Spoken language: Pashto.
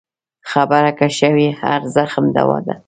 خبره که ښه وي، هر زخم دوا ده.